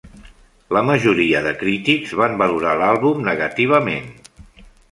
La majoria de crítics van valorar l'àlbum negativament.